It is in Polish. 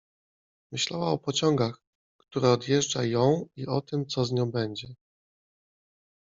Myślała o pociągach, które odjeżdża ją, i o tym, co z nią będzie.